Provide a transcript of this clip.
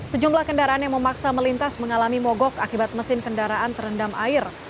sejumlah kendaraan yang memaksa melintas mengalami mogok akibat mesin kendaraan terendam air